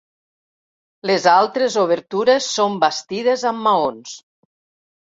Les altres obertures són bastides amb maons.